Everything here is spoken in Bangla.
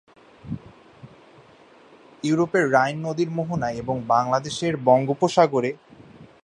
ইউরোপের রাইন নদীর মোহনায় এবং বাংলাদেশের বঙ্গোপসাগরের উপকূলে গঙ্গা-পদ্মা-মেঘনার প্রবাহ দ্বারা সৃষ্ট বদ্বীপ এর উদাহরণ।